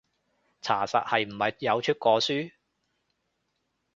查實係唔係有出過書？